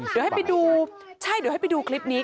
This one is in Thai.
เดี๋ยวให้ไปดูใช่เดี๋ยวให้ไปดูคลิปนี้